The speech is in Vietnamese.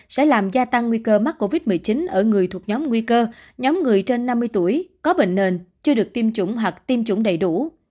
sẽ làm gia tăng nguy cơ mắc covid một mươi chín ở người thuộc nhóm nguy cơ nhóm người trên năm mươi tuổi có bệnh nền chưa được tiêm chủng hoặc tiêm chủng đầy đủ